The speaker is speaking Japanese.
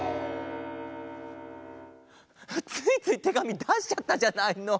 ついついてがみだしちゃったじゃないの。